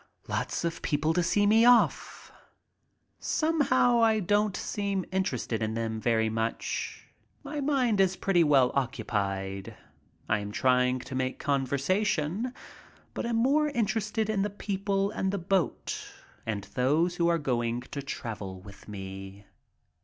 Lots of people to see me off. Somehow I don't seem interested in them very much. My mind is pretty well occupied. I am trying to make conversation, but am more interested in the people and the boat and those who are going to travel with me.